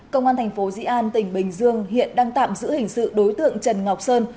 công an thành phố dĩ an tỉnh bình dương hiện đang tạm giữ hình sự đối tượng trần ngọc sơn